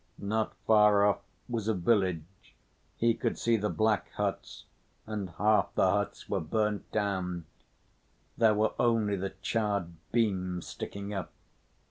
Not far off was a village, he could see the black huts, and half the huts were burnt down, there were only the charred beams sticking up.